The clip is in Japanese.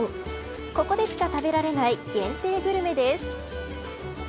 ここでしか食べられない限定グルメです。